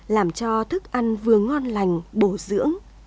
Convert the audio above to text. làm cho thức ăn vừa ngon lành bổ dưỡng